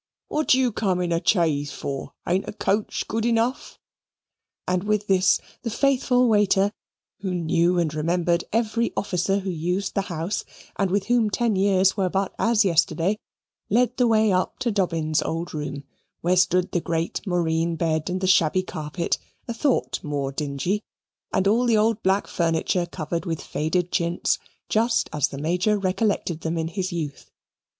What do you come in a chay for ain't the coach good enough?" And with this, the faithful waiter, who knew and remembered every officer who used the house, and with whom ten years were but as yesterday, led the way up to Dobbin's old room, where stood the great moreen bed, and the shabby carpet, a thought more dingy, and all the old black furniture covered with faded chintz, just as the Major recollected them in his youth.